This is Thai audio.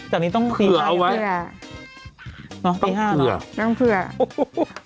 จากนี้ต้องตี๕เผื่อนะตี๕เนอะไม่ต้องเพื่อจากนี้ต้องเผื่อเอาไว้